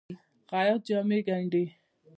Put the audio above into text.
خیاط جامې ګنډي.